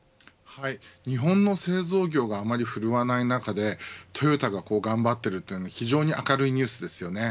日本の製造業があまり振るわない中でトヨタが頑張っているというのは非常に明るいニュースですよね。